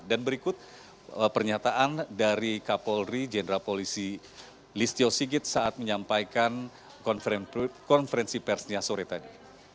dan berikut pernyataan dari kapolri jenderal polisi listio sigit saat menyampaikan konferensi persnya sore tadi